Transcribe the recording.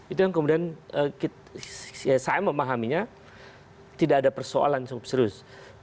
itu yang kemudian saya memahaminya tidak ada persoalan serius